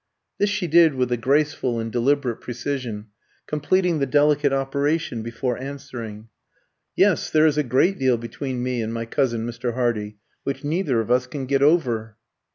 This she did with a graceful and deliberate precision, completing the delicate operation before answering. "Yes, there is a great deal between me and my cousin Mr. Hardy, which neither of us can get over."